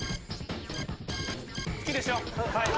好きでしょ。